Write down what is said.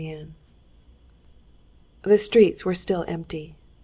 Chapter 15 The streets were still empty.